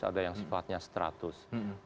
ada yang sifatnya stratus